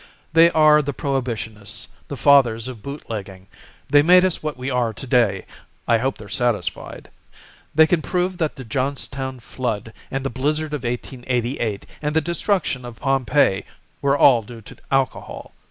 There are the Prohibitionists; The Fathers of Bootlegging. They made us what we are to day I hope they're satisfied. They can prove that the Johnstown flood, And the blizzard of 1888, And the destruction of Pompeii Were all due to alcohol.